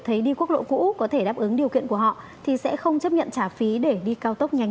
thấy đi quốc lộ cũ có thể đáp ứng điều kiện của họ thì sẽ không chấp nhận trả phí để đi cao tốc nhanh